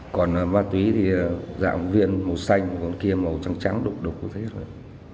còn ma túy thì dạng viên màu xanh còn kia màu trắng trắng đục đục như thế thôi